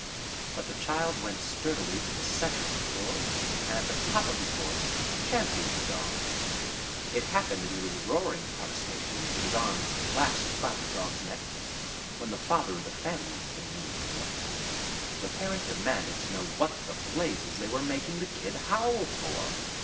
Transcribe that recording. But the child went sturdily to the center of the floor, and, at the top of his voice, championed the dog. It happened that he was roaring protestations, with his arms clasped about the dog's neck, when the father of the family came in from work. The parent demanded to know what the blazes they were making the kid howl for.